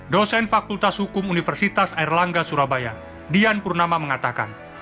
dosen fakultas hukum universitas airlangga surabaya dian purnama mengatakan